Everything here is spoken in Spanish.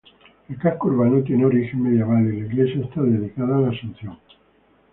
El casco urbano tiene origen medieval y la iglesia está dedicada a la Asunción.